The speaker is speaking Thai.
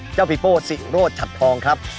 เจ้าปิ๊ปโปสิโรธชัดทองครับ